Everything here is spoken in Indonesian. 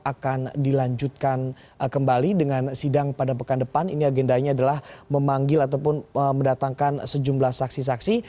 akan dilanjutkan kembali dengan sidang pada pekan depan ini agendanya adalah memanggil ataupun mendatangkan sejumlah saksi saksi